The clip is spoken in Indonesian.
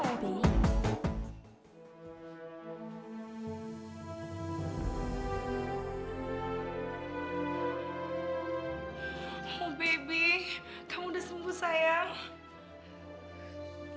oh baby kamu udah sembuh sayang